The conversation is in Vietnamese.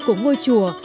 của ngôi chùa